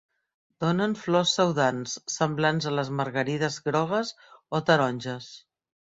Donen flors pseudants semblants a les margarides grogues o taronges.